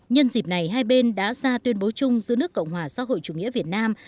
nhân dịp này hai bên đã ra tuyên bố chung giữa nước cộng hòa xã hội chủ nghĩa việt nam